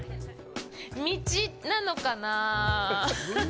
道なのかなあ。